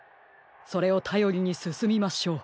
それをたよりにすすみましょう。